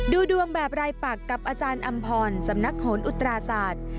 ดูดวงแบบรายปักกับอาจารย์อำพรสำนักโหนอุตราศาสตร์